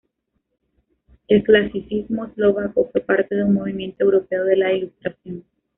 El clasicismo eslovaco fue parte de un movimiento europeo de la Ilustración.